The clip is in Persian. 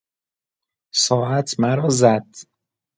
ساعت مرا زد.